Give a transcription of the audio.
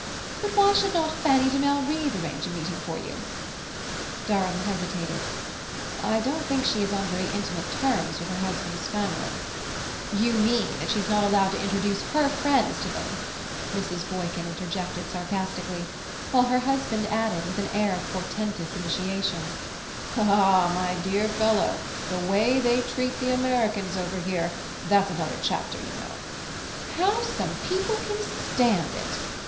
But why should not Fanny de Malrive arrange a meeting for you?" Durham hesitated. "I don't think she is on very intimate terms with her husband's family " "You mean that she's not allowed to introduce her friends to them," Mrs. Boykin interjected sarcastically; while her husband added, with an air of portentous initiation: "Ah, my dear fellow, the way they treat the Americans over here that's another chapter, you know." "How some people can stand it!"